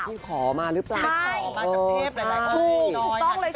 ที่ขอมาหรือเปล่าใช่ขอมาจากเทพหลายหลายคน